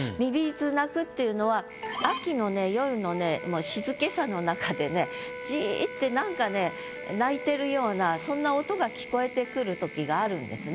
「蚯蚓鳴く」っていうのは秋の夜の静けさのなかでねジィってなんかね鳴いてるようなそんな音が聞こえてくる時があるんですね。